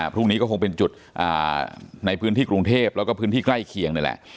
พรุ่งนี้ก็คงเป็นจุดในพื้นที่กรุงเทพแล้วก็พื้นที่ใกล้เคียงนี่แหละ